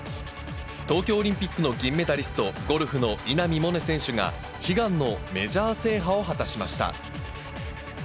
東京オリンピックの銀メダリスト、ゴルフの稲見萌寧選手が、悲願のメジャー制覇を果たしました。